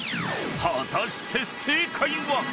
［果たして正解は］